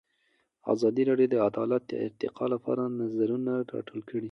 ازادي راډیو د عدالت د ارتقا لپاره نظرونه راټول کړي.